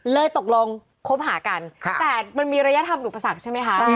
เลยตกลงคบหากันแต่มันมีระยะธรรมหนูประศักดิ์ใช่ไหมคะ